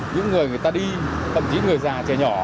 những người người ta đi thậm chí người già trẻ nhỏ